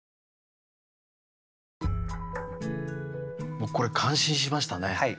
もうこれ感心しましたね。